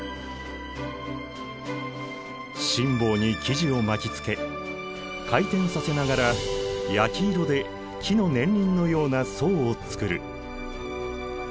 心棒に生地を巻きつけ回転させながら焼き色で木の年輪のような層を作る。